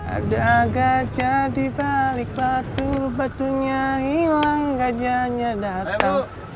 ada gajah dibalik batu batunya hilang gajahnya datang